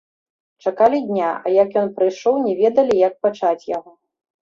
Чакалі дня, а як ён прыйшоў, не ведалі, як пачаць яго.